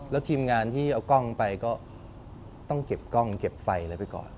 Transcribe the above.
แล้วทีมงานที่เอากล้องไปก็ต้องเก็บกล้องเก็บไฟอะไรไปก่อน